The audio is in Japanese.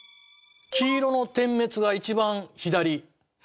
黄色の点滅が一番左。